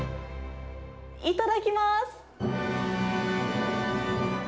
いただきます。